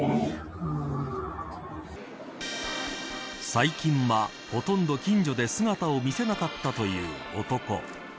最近は、ほとんど近所で姿を見せなかったという男。